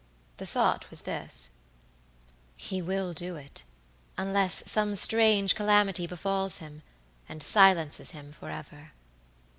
The thought was this: "He will do it, unless some strange calamity befalls him, and silences him for ever."